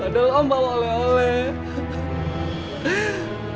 tadah lomba oleh oleh